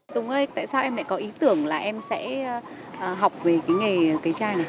tùng ơi tại sao em lại có ý tưởng là em sẽ học về cái nghề cây chai này